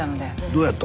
どうやった？